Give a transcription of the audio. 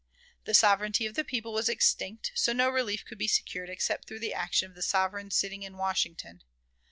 The sovereignty of the people was extinct, so no relief could be secured except through the action of the sovereign sitting in Washington.